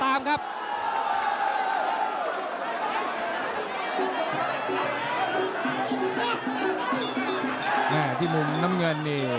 ตอนนี้มันถึง๓